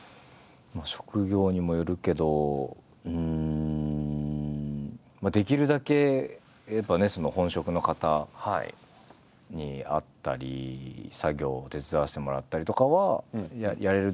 職業にもよるけどうんできるだけやっぱね本職の方に会ったり作業を手伝わせてもらったりとかはやれるだけやるという感じですかね